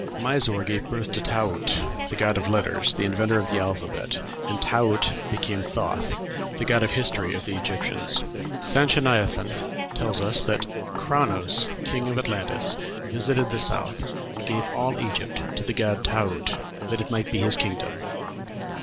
Misor gave birth to Taaut, the god of letters, the inventor of the alphabet, and Taaut became Thoth, the god of history of the Egyptians. Sanchoniathon tells us that "Chronos (king of Atlantis) visited the South, and gave all Egypt to the god Taaut, that it might be his kingdom."